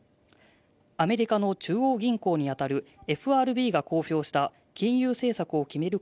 アメリカの中央銀行にあたるＦＲＢが公表した金融政策を決める